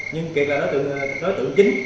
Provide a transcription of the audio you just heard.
nhưng kiệt là đối tượng chính